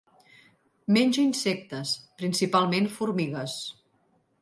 Menja insectes, principalment formigues.